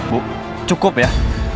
bu cukup ya